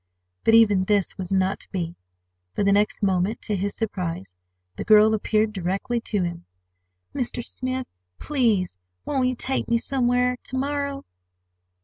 But even this was not to be, for the next moment, to his surprise, the girl appealed directly to him. "Mr. Smith, please, won't you take me somewhere to morrow?"